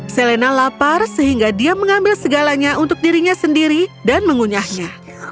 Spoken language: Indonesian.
selena lapar sehingga dia mengambil segalanya untuk dirinya sendiri dan mengunyahnya